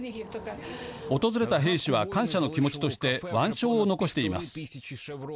訪れた兵士は感謝の気持ちとして腕章を残しています。